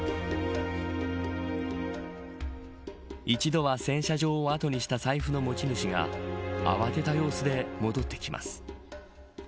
一度は洗車場を後にした財布の持ち主が慌てた様子で戻ってきます。